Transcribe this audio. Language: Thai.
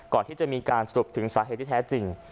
ก่อนที่จะมีการสรุปถึงสาเหตุที่แท้จริง